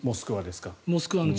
「モスクワ」ですか？